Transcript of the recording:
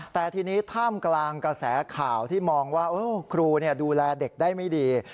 แต่ทีนี้ท่ามกลางกระแสข่าวที่มองว่าครูดูแลเด็กได้ไม่ดี